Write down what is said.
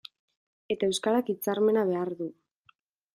Eta euskarak hitzarmena behar du.